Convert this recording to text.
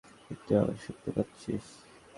মৃত্যুর আওয়াজ শুনতে পাচ্ছিস?